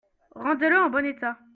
Rendez-le en bon état.